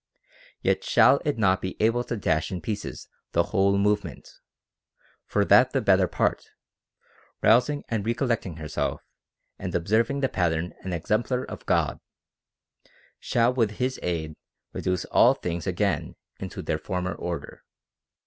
Yet shall it not be able to dash in pieces the whole movement, for that the better part, rousing and recollecting herself and observing the pattern and exem plar of God, shall with his aid reduce all things again into their former order.